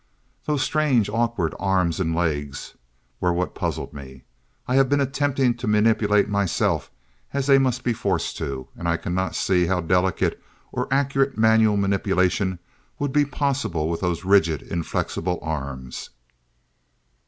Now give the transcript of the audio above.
"Those strange, awkward arms and legs were what puzzled me. I have been attempting to manipulate myself as they must be forced to, and I cannot see how delicate or accurate manual manipulation would be possible with those rigid, inflexible arms.